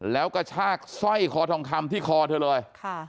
แล้วก็ชากสร้อยคอทองคำที่คอเธอเลย